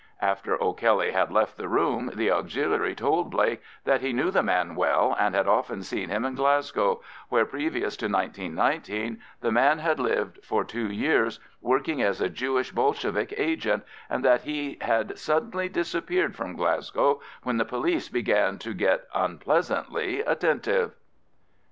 After O'Kelly had left the room the Auxiliary told Blake that he knew the man well, and had often seen him in Glasgow, where, previous to 1919, the man had lived for two years working as a Jewish Bolshevik agent, and that he had suddenly disappeared from Glasgow when the police began to get unpleasantly attentive.